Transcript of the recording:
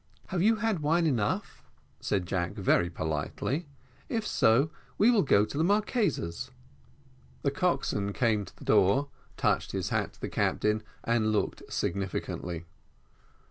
"Have you had wine enough?" said Jack, very politely; "if so, we will go to the Marquesa's." The coxswain came to the door, touched his hat to the captain, and looked significantly.